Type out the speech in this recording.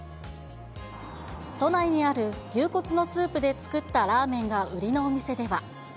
都内にある、牛骨のスープで作ったラーメンが売りのお店では。